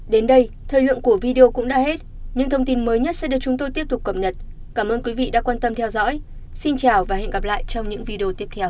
đến đây thời lượng của video cũng đã hết những thông tin mới nhất sẽ được chúng tôi tiếp tục cập nhật cảm ơn quý vị đã quan tâm theo dõi xin chào và hẹn gặp lại trong những video tiếp theo